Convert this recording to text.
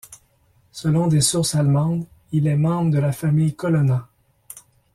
Selon des sources allemandes il est membre de la famille Colonna.